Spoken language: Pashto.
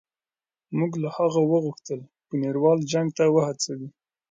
موږ له هغه وغوښتل بونیروال جنګ ته وهڅوي.